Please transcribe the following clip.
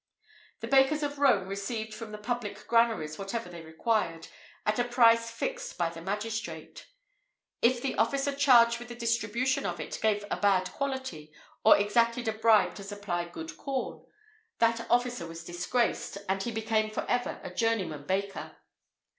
The bakers of Rome received from the public granaries whatever they required, at a price fixed by the magistrate. If the officer charged with the distribution of it gave a bad quality, or exacted a bribe to supply good corn, that officer was disgraced, and he became forever a journeyman baker.